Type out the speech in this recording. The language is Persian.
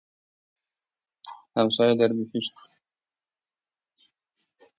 همسایه در بﮩشت